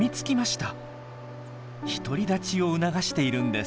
独り立ちを促しているんです。